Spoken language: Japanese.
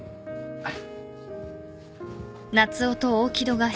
はい。